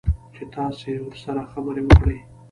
چې تاسو سره خبرې وکړي